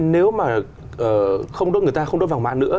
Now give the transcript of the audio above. nếu mà người ta không đốt vàng mã nữa